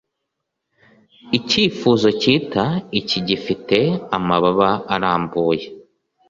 icyifuzo cyita iki gifite amababa arambuye